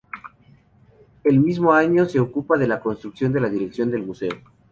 El mismo año, se ocupa de la constitución de la dirección del Museo.